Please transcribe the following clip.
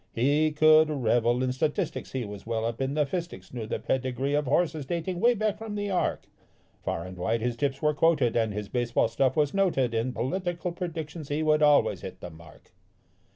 He could revel in statistics, he was well up in the fistics, knew the pedigree of horses dating 'way back from the ark. Far and wide his tips were quoted, and his base ball stuff was noted. In political predictions he would always hit the mark.